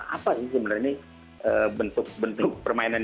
apa sih sebenarnya bentuk bentuk permainan